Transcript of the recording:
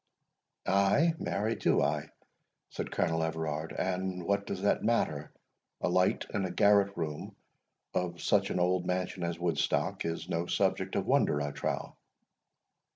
"Ay, marry do I," said Colonel Everard; "and what does that matter?—a light in a garret room of such an old mansion as Woodstock is no subject of wonder, I trow."